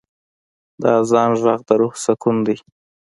د آذان ږغ د روح سکون دی.